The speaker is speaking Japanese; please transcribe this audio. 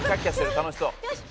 楽しそう。